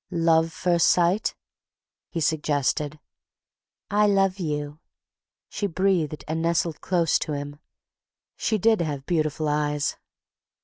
"Love first sight," he suggested. "I love you," she breathed and nestled close to him. She did have beautiful eyes.